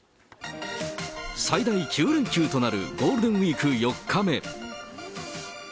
最大９連休となるゴールデンウィーク４日目。